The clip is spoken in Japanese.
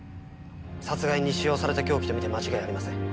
殺害に使用された凶器と見て間違いありません。